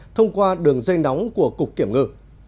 thông qua đường dây nóng của cục kiểm ngư